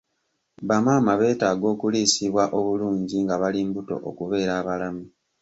Bamaama beetaaga okuliisibwa obulungi nga bali mbuto okubeera abalamu.